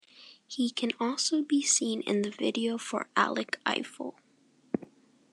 He can also be seen in the video for "Alec Eiffel".